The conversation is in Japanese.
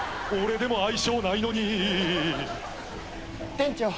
店長